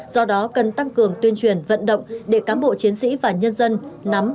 do đó cần tăng cường tuyên truyền vận động để cám bộ chiến sĩ và nhân dân nắm